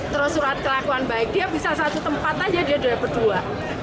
terus surat kelakuan baik dia bisa satu tempat aja dia berdua